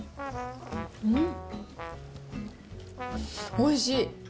おいしい。